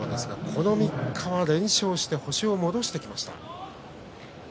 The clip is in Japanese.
この３日、連勝して星を戻してきました。